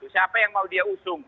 siapa yang mau dia usung